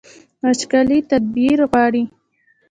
وچکالي تدبیر غواړي